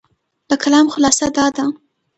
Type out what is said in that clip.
د کلام خلاصه دا ده،